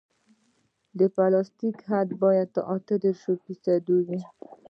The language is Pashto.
د پلاستیک حد باید اته دېرش فیصده وي